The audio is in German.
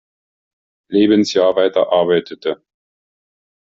Lebensjahr weiterarbeitete.